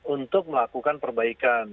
untuk melakukan perbaikan